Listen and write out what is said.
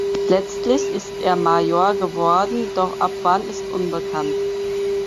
Letztlich ist er Major geworden, doch ab wann ist unbekannt.